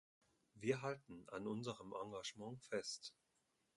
Wir halten an unserem Engagement fest.